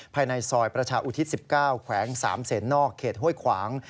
ภายในซอยประชาอุทิศ๑๙แขวง๓เสนนอกเขตห้วยขวาง